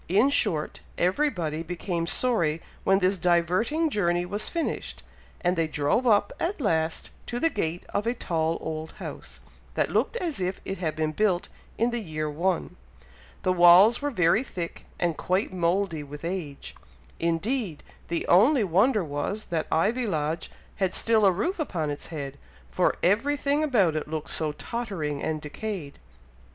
In short, everybody became sorry when this diverting journey was finished, and they drove up, at last, to the gate of a tall old house, that looked as if it had been built in the year one. The walls were very thick, and quite mouldy with age. Indeed, the only wonder was, that Ivy Lodge had still a roof upon its head, for every thing about it looked so tottering and decayed.